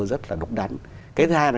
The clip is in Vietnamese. rất là độc đắn cái thứ hai là